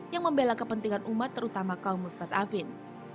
yang membela kepentingan umat terutama kaum ustadz abin